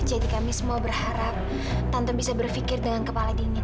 jadi kami semua berharap tante bisa berfikir dengan kepala dingin